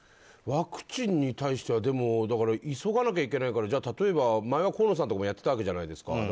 ワクチンに対しては、でも急がなきゃいけないから例えば、前は河野さんとかがやってたわけじゃないですか。